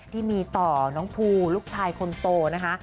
ที่มีต่อน้องภูลูกชายคนโตนะคะ